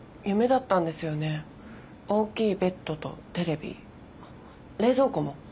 大きいベッドとテレビ冷蔵庫も。